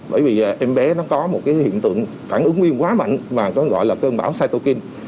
bởi vì em bé nó có một cái hiện tượng phản ứng viêm quá mạnh mà có gọi là cơn bão saitokin